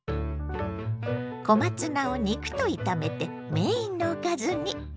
小松菜を肉と炒めてメインのおかずに。